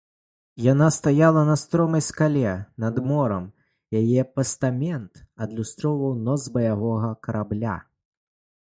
Яна стаяла на стромай скале над морам, яе пастамент адлюстроўваў нос баявога карабля.